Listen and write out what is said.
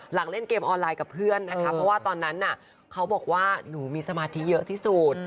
เล่นเกมออนไลน์กับเพื่อนนะคะเพราะว่าตอนนั้นน่ะเขาบอกว่าหนูมีสมาธิเยอะที่สุด